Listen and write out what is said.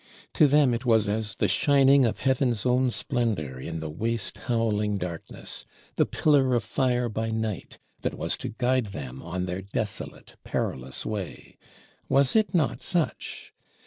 To them it was as the shining of Heaven's own Splendor in the waste howling darkness; the Pillar of Fire by night, that was to guide them on their desolate perilous way. Was it not such?